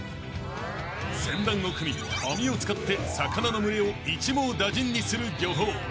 ［船団を組み網を使って魚の群れを一網打尽にする漁法］